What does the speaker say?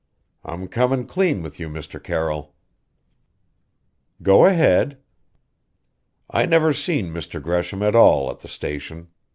I'm comin' clean with you, Mr. Carroll " "Go ahead!" "I never seen Mr. Gresham at all at the station.